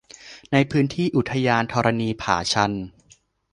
ในพื้นที่อุทยานธรณีผาชัน